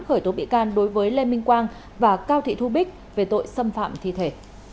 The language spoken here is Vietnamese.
khởi tố bị can đối với lê minh quang và cao thị thu bích về tội xâm phạm thi thể